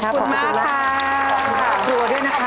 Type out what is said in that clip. ขอบคุณมากค่ะ